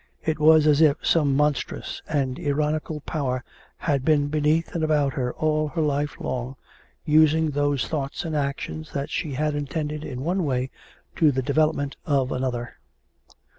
It was as if some monstrous and ironical power had been beneath and about her all her life long, using those thoughts and actions that she had intended in one way to the develop ment of another.